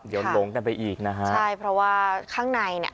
เดี๋ยวหลงกันไปอีกนะฮะใช่เพราะว่าข้างในเนี่ย